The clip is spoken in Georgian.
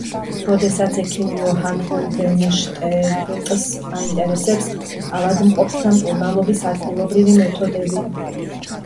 როგორც ექიმს, იოჰან გიულდენშტედტს აინტერესებს ავადმყოფთა მკურნალობის ადგილობრივი მეთოდები.